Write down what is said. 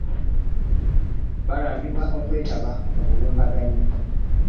Balangibwa okwetaba mu bulumbaganyi